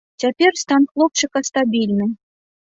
Цяпер стан хлопчыка стабільны.